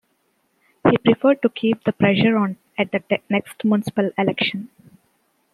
He preferred to keep the pressure on at the next municipal election.